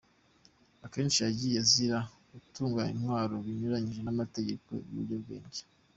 Akenshi yagiye azira gutungwa intwaro binyuranyije n’amategeko, ibiyobyabwenge.